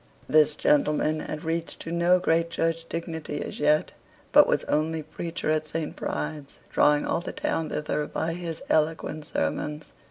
This gentleman had reached to no great church dignity as yet, but was only preacher at St. Bride's, drawing all the town thither by his eloquent sermons.